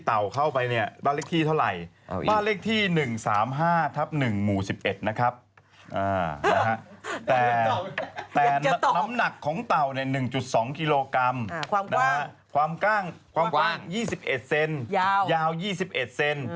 อ่านะฮะแต่น้ำหนักของเตา๑๒กิโลกรัมนะฮะความกว้าง๒๑เซนยาว๒๑เซน